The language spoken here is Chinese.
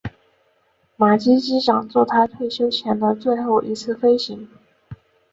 马基机长作他退休前的最后一次飞行。